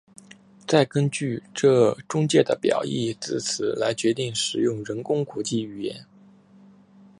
再根据这中介的表义字词来决定使用人工国际语言。